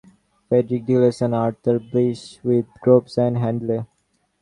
Frederick Delius and Arthur Bliss with Groves and Handley.